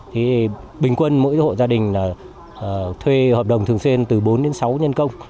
thì bình quân mỗi hộ gia đình là thuê hợp đồng thường xuyên từ bốn đến sáu nhân công